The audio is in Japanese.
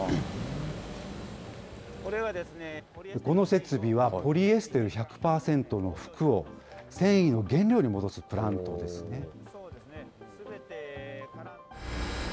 この設備は、ポリエステル１００％の服を、繊維の原料に戻すプラントですね。